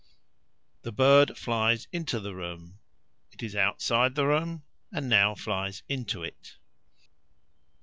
The bird flies into the room (= it is outside the room, and now flies into it).